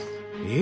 え